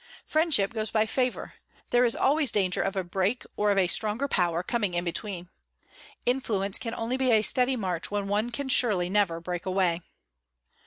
Friendship goes by favour. There is always danger of a break or of a stronger power coming in between. Influence can only be a steady march when one can surely never break away.